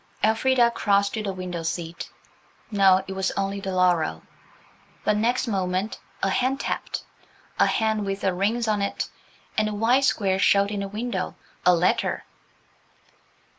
Elfrida crossed to the window seat. No, it was only the laurel. But next moment a hand tapped–a hand with rings on it, and a white square showed in the window–a letter.